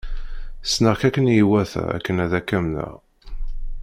Ssneɣ-k akken i iwata akken ad k-amneɣ.